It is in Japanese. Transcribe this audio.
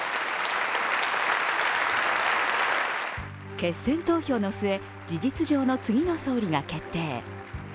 決選投票の末、事実上の次の総理が決定。